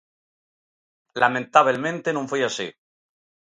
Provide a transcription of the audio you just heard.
Lamentabelmente, non foi así.